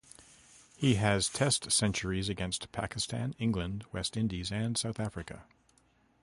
He has Test centuries against Pakistan, England, West Indies and South Africa.